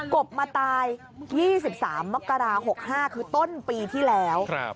บมาตาย๒๓มกรา๖๕คือต้นปีที่แล้ว